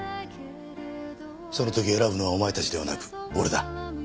その時選ぶのはお前たちではなく俺だ。